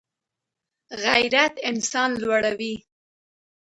غیرت انسان لوړوي